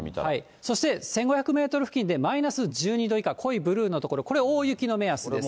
そして、１５００メートル付近でマイナス１２度以下、濃いブルーの所、これ、大雪の目安です。